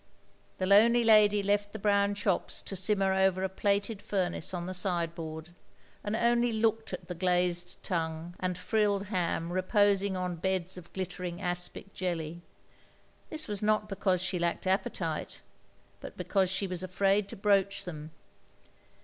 The lonely lady left the brown chops to simmer over a plated furnace on the sideboard^ and only looked at the glazed tongue and frilled ham re posing on beds of glittering aspic jelly. This was not because she lacked appetite, but because she was afraid to broach them.